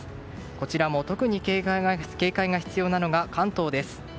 こちらも、特に警戒が必要なのが関東です。